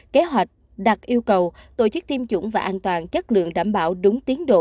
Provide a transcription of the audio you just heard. kế hoạch đặt yêu cầu tổ chức tiêm chủng và an toàn chất lượng đảm bảo đúng tiến độ